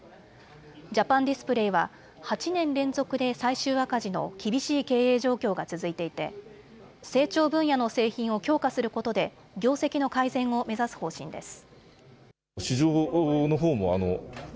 ジャパンディスプレイは８年連続で最終赤字の厳しい経営状況が続いていて、成長分野の製品を強化することで業績の改善を目指す方針です。